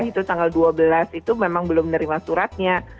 itu tanggal dua belas itu memang belum menerima suratnya